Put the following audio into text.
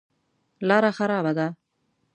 لاره خرابه ده.